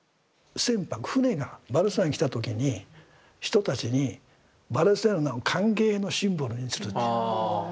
船舶船がバルセロナに来た時に人たちに「バルセロナを歓迎のシンボルにする」って。